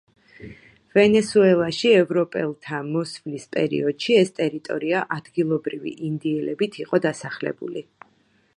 ვენესუელაში ევროპელთა მოსვლის პერიოდში, ეს ტერიტორია ადგილობრივი ინდიელებით იყო დასახლებული.